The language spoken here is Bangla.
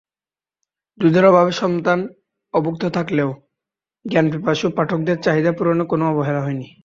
দুধের অভাবে সন্তান অভুক্ত থাকলেও জ্ঞানপিপাসু পাঠকদের চাহিদা পূরণে কোনো অবহেলা হয়নি।